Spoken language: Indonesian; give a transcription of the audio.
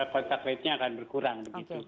kontak ratenya akan berkurang